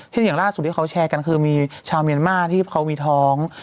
ซึ่งอย่างล่าสุดที่เขาแชร์กันคือมีชาวเมียนมาที่เขามีท้อง